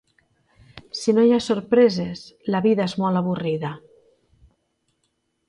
Si no hi ha sorpreses, la vida és molt avorrida.